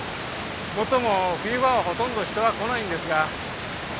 もっとも冬場はほとんど人は来ないんですが。